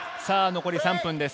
残り３分です。